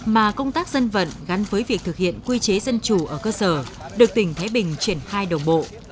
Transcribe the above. mà công tác dân vận gắn với việc thực hiện quy chế dân chủ ở cơ sở được tỉnh thái bình triển khai đồng bộ